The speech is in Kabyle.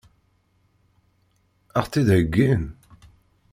Ad ɣ-tt-id-heggin?